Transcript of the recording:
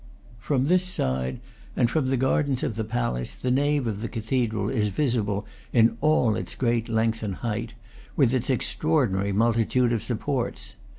From this side, and from the gardens of the palace, the nave of the cathedral is visible in all its great length and height, with its extraordinary multitude of supports.